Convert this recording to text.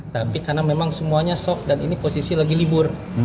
tapi karena memang semuanya sok dan ini posisi lagi libur